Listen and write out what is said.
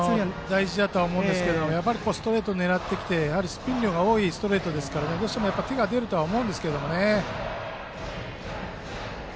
大事だと思うんですけどストレートを狙っていってスピン量が多いストレートですから手が出るとは思うんですけどね。